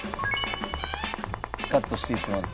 カットしていきます。